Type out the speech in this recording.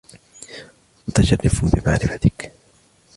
متشرف بمعرفتك.